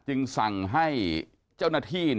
สั่งให้เจ้าหน้าที่